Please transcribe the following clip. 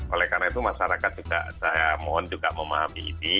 oleh karena itu masyarakat juga saya mohon juga memahami ini